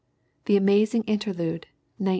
The Amazing Interlude, 1918.